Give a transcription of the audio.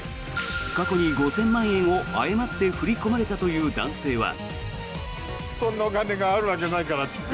過去に５０００万円を誤って振り込まれたという男性は。